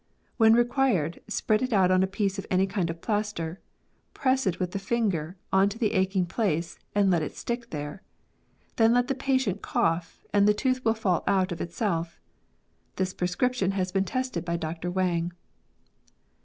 When required, spread it on a piece of any kind of plaster, press it with the finger on to the aching place, and let it stick there. Then let the patient cough, and the tooth will fall out of itself. This prescription has been tested by Dr Wang."